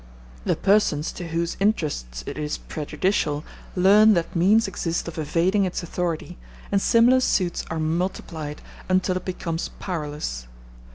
The persons to whose interests it is prejudicial learn that means exist of evading its authority, and similar suits are multiplied, until it becomes powerless.